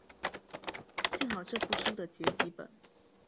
幸好这部书的结集本。